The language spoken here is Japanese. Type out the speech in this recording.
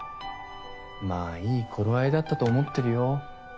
まあいい頃合いだったと思ってるよ。